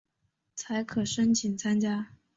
才可申请参加